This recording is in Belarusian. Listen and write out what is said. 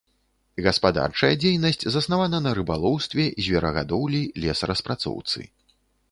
Гаспадарчая дзейнасць заснавана на рыбалоўстве, зверагадоўлі, лесараспрацоўцы.